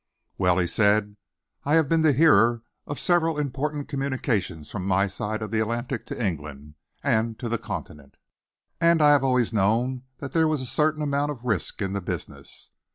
"Well," he said, "I have been the hearer of several important communications from my side of the Atlantic to England and to the Continent, and I have always known that there was a certain amount of risk in the business.